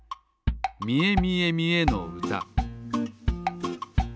「みえみえみえの歌」